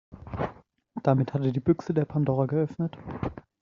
Damit hat er die Büchse der Pandora geöffnet.